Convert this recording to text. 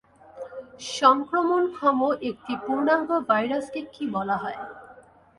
সংক্রমণক্ষম একটি পূর্ণাঙ্গ ভাইরাসকে কী বলা হয়?